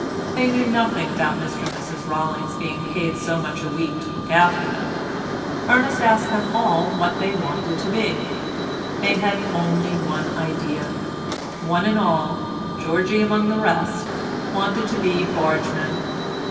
They knew nothing about Mr and Mrs Rollings being paid so much a week to look after them. Ernest asked them all what they wanted to be. They had only one idea; one and all, Georgie among the rest, wanted to be bargemen.